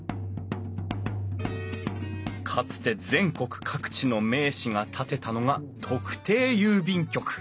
かつて全国各地の名士が建てたのが特定郵便局。